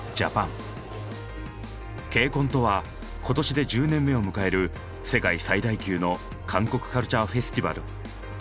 ＫＣＯＮとは今年で１０年目を迎える世界最大級の韓国カルチャーフェスティバル。